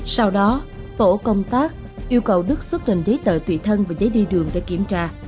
sau đó tổ công tác yêu cầu đức xuất trình giấy tờ tùy thân và giấy đi đường để kiểm tra